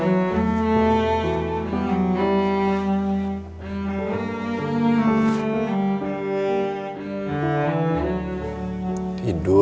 rena selalu selalu pedestriansya